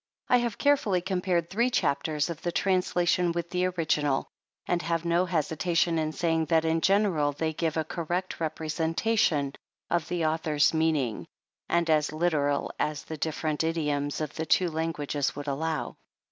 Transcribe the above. I have carefully compared three chapters of the translation with the original, and have no hesita tion in saying that in general they give a correct representation of the author's meaning, and as literal as the difTerent idioms of the two languages would allow.